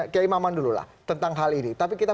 kiai imaman dulu lah tentang hal ini tapi kita